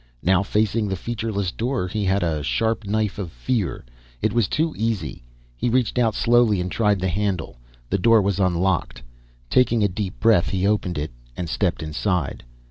Now, facing the featureless door, he had a sharp knife of fear. It was too easy. He reached out slowly and tried the handle. The door was unlocked. Taking a deep breath, he opened it and stepped inside.